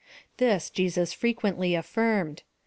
This Jesus frequently afRnned.